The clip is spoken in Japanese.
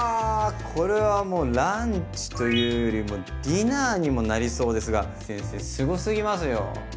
これはもうランチというよりもうディナーにもなりそうですが先生すごすぎますよ。